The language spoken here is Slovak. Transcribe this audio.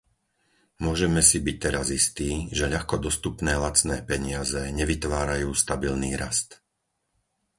Môžeme si byť teraz istí, že ľahko dostupné lacné peniaze nevytvárajú stabilný rast.